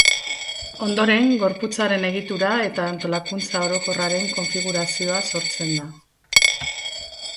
Ondoren, gorputzaren egitura eta antolakuntza orokorraren konfigurazioa sortzen da.